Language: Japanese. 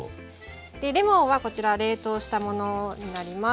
レモンはこちら冷凍したものになります。